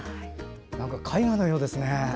絵画のようですね。